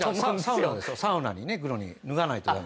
サウナにね風呂に脱がないとダメ。